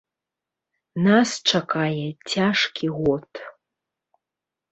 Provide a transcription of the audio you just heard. Нас чакае цяжкі год.